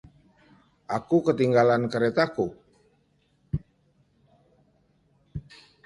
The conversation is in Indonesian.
Aku ketinggalan keretaku.